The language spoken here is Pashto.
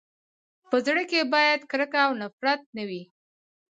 په زړه کي باید کرکه او نفرت نه وي.